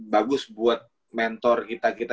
bagus buat mentor kita kita